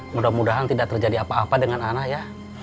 mudah mudahan tidak terjadi apa apa dengan anak ya